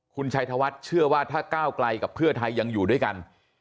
คุณชัยธวัฒน์เชื่อว่าถ้าก้าวไกลกับเพื่อไทยยังอยู่ด้วยกัน